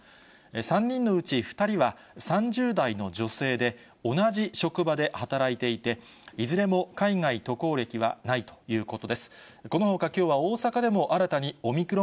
３人のうち２人は、３０代の女性で、同じ職場で働いていて、いずれも海外渡航歴はないということです。